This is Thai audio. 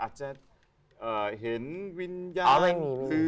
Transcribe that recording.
อาจจะเห็นวิญญาณ